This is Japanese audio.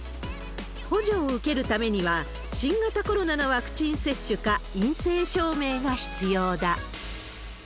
補助を受けるためには、新型コロナのワクチン接種か、陰性証明が必要だ。